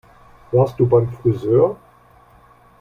Warst du beim Frisör?